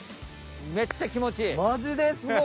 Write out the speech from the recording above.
めっちゃきもちいい！